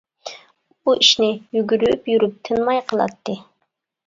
ئۇ ئىشنى يۈگۈرۈپ يۈرۈپ، تىنماي قىلاتتى.